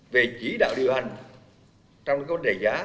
về chỉ đạo điều hành trong cái vấn đề giá